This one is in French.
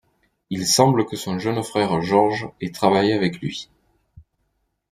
Il semble que son jeune frère George ait travaillé avec lui.